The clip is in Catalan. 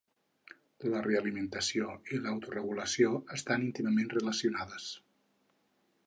La realimentació i l'autoregulació estan íntimament relacionades.